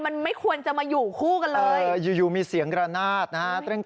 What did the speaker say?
มันไม่ควรจะมาอยู่คู่กันเลยอยู่มีเสียงระนาดนะฮะ